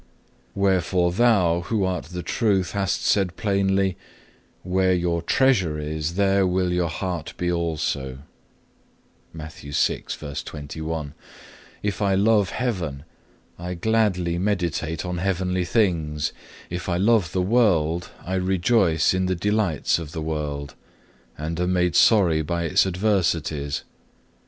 6. Wherefore Thou, who art the Truth, hast plainly said, Where your treasure is, there will your heart be also.(2) If I love heaven, I gladly meditate on heavenly things. If I love the world, I rejoice in the delights of the world, and am made sorry by its adversities.